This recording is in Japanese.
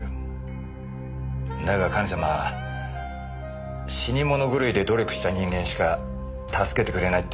死に物狂いで努力した人間しか助けてくれない」ってな。